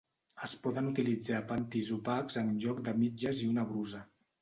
Es poden utilitzar pantis opacs en lloc de mitges i una brusa.